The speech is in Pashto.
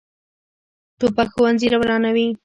توپک ښوونځي ورانوي.